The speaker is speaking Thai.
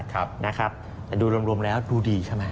แต่ดูรวมแล้วดูดีใช่ไหม